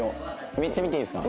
めっちゃ見ていいですか？